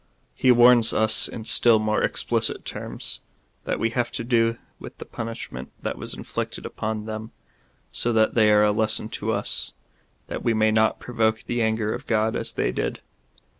He warns us in still more explicit terms, that we have to do with the punishment that was inflicted upon them, so that they are a lesson to us, that we may not provoke the anger of God as they did.